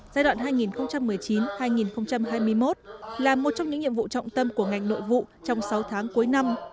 giai đoạn hai nghìn một mươi chín hai nghìn hai mươi một là một trong những nhiệm vụ trọng tâm của ngành nội vụ trong sáu tháng cuối năm